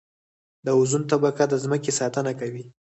د اوزون طبقه د ځمکې ساتنه کوي